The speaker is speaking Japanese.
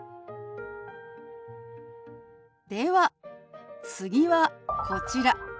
では次はこちら。